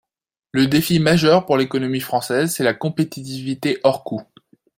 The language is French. Le défi majeur pour l’économie française, c’est la compétitivité hors coût.